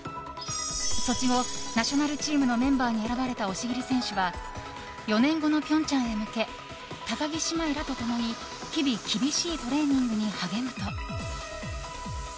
ソチ後、ナショナルチームのメンバーに選ばれた押切選手は４年後の平昌へ向け高木姉妹らと共に日々、厳しいトレーニングに励むと。